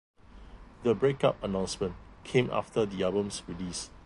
The break-up announcement came after the album's release.